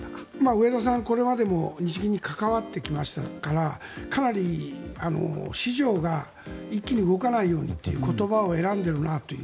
植田さん、これまでも日銀に関わってきましたからかなり市場が一気に動かないように言葉を選んでいるなと。